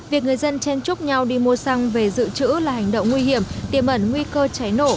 việc người dân chen chúc nhau đi mua xăng về dự trữ là hành động nguy hiểm tiềm ẩn nguy cơ cháy nổ